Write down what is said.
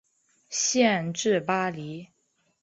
县治巴黎。